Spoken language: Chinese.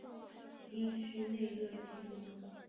阴虚内热忌用。